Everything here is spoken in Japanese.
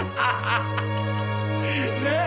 ねえ？